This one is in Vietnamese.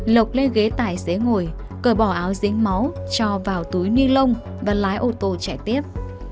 lộc lên ghế tài xế ngồi cờ bỏ áo dính máu cho vào túi ni lông và lái ô tô chạy tiếp